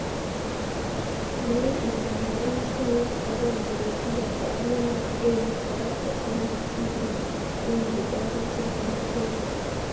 Muri intambara y'isi niki Abongereza bahwanye na E-Boat MTB yo mu Budage cyangwa Moteri